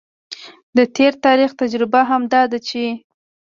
د تیر تاریخ تجربه هم دا ده چې